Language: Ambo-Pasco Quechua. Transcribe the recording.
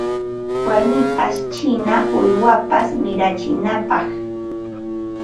Warmipas china uywapas mirachinapaq